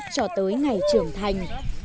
cho tới ngày trưởng thành